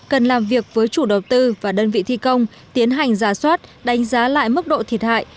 cần làm việc với chủ đầu tư và đơn vị thi công tiến hành giả soát đánh giá lại mức độ thiệt hại